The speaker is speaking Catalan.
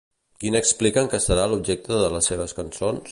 Quin expliquen que serà l'objecte de les seves cançons?